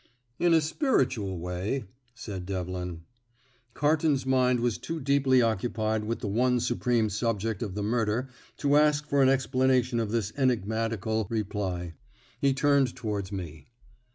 "In a spiritual way," said Devlin. Carton's mind was too deeply occupied with the one supreme subject of the murder to ask for an explanation of this enigmatical reply. He turned towards me.